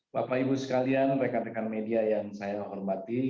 bapak ibu sekalian rekan rekan media yang saya hormati